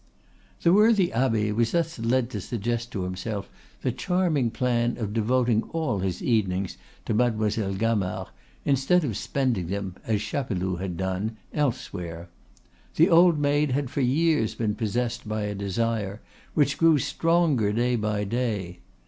The worthy abbe was thus led to suggest to himself the charming plan of devoting all his evenings to Mademoiselle Gamard, instead of spending them, as Chapeloud had done, elsewhere. The old maid had for years been possessed by a desire which grew stronger day by day.